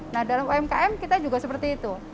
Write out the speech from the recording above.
nah dalam umkm kita juga seperti itu